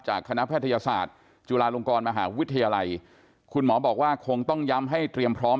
คณะแพทยศาสตร์จุฬาลงกรมหาวิทยาลัยคุณหมอบอกว่าคงต้องย้ำให้เตรียมพร้อม